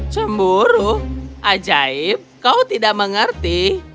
cemburu ajaib kau tidak mengerti